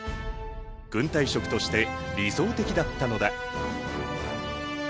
軍隊食として理想的だったのだ。